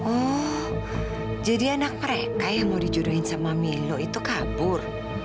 oh jadi anak mereka yang mau dijuruhin sama milo itu kabur